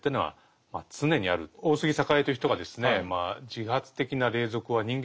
大杉栄という人がですね